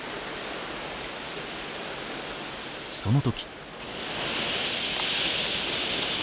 その時。